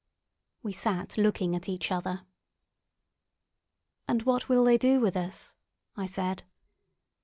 We sat looking at each other. "And what will they do with us?" I said.